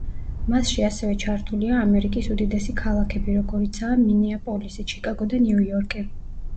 მასში ასევე ჩართულია ამერიკის უდიდესი ქალაქები, როგორიცაა: მინეაპოლისი, ჩიკაგო და ნიუ-იორკი.